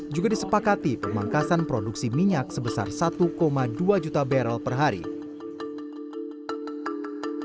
juga disepakati pemangkasan produksi minyak sebesar satu dua juta barrel per hari